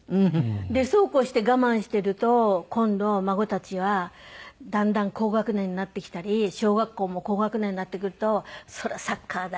そうこうして我慢していると今度孫たちはだんだん高学年になってきたり小学校も高学年になってくるとそれサッカーだ